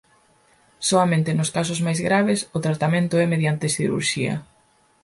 Soamente nos casos máis graves o tratamento é mediante cirurxía.